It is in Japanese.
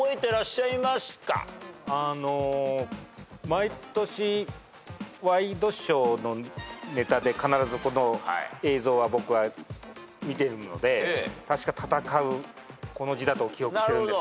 毎年ワイドショーのネタで必ずこの映像は僕は見てるので確か戦うこの字だと記憶してるんですけど。